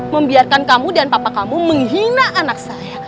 membiarkan kamu dan papa kamu menghina anak saya